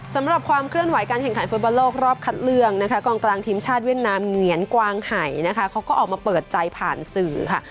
สำหรับความเคลื่อนไหวการแข่งขันฟุตบอลโลกรอบคัดเลือกนะคะกองกลางทีมชาติเวียดนามเหงียนกวางไห่นะคะเขาก็ออกมาเปิดใจผ่านสื่อค่ะ